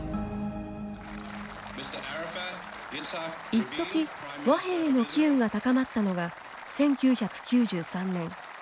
一時、和平への機運が高まったのが１９９３年。